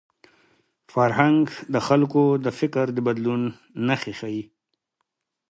فرهنګ د خلکو د فکر د بدلون نښې ښيي.